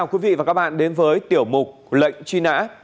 quý vị và các bạn đến với tiểu mục lệnh truy nã